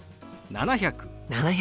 ７００。